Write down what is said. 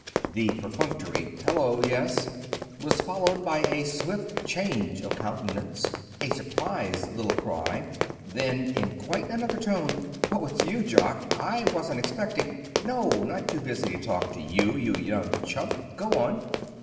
The perfunctory "Hello! Yes" was followed by a swift change of countenance, a surprised little cry, then, in quite another tone "Oh, it's you, Jock! I wasn't expecting ... No, not too busy to talk to you, you young chump! Go on."